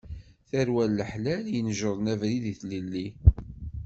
Tarwa n leḥlal inejren abrid i tlelli.